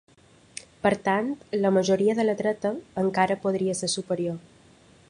Per tant, la majoria de la dreta encara podria ser superior.